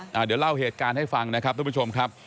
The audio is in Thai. เดี๋ยวเล่าเหตุการณ์ให้ฟังนะครับทุกผู้ชมครับ